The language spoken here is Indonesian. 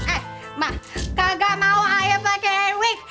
eh mbak kagak mau ayem pakai wik